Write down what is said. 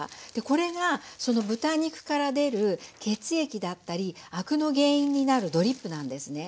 これが豚肉から出る血液だったりアクの原因になるドリップなんですね。